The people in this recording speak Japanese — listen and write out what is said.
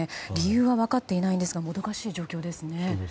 理由は分かっていないんですがもどかしい状況ですね。